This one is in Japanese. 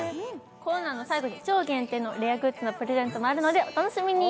コーナーの最後に超限定のレアグッズのプレゼントもあるのでお楽しみに。